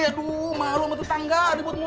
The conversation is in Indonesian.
aduh malu sama tetangga dibut mulu